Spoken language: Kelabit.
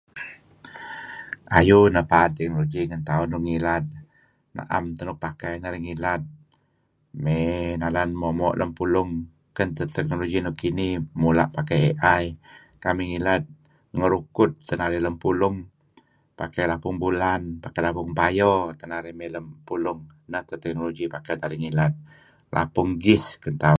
Ayu nh paad uki ngen tauh. Nuk ngilad naem teh nuk pakai tauh ngilad may nalan moo'-moo' lem pulung ken original. Kinih mula' pakai AI. Kamih ngilad ngerukud teh narih lem pulung. Pakai lapung bulan, pakai lapung pay teh narih may lem pulung. Neh teh teknologi nuk pakai narih ngilad. Lapung gas ken tauh.